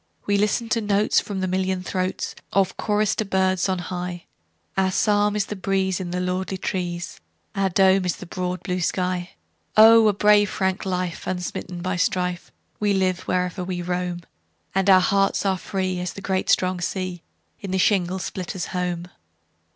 We listen to notes from the million throatsOf chorister birds on high, Our psalm is the breeze in the lordly trees, And our dome is the broad blue sky, Oh! a brave frank life, unsmitten by strife, We live wherever we roam, And our hearts are free as the great strong sea, In the shingle splitter's home.